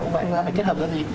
phải kết hợp ra gì